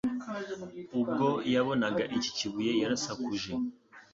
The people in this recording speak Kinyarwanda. Ubwo yabonaga iki kibuye yarasakuje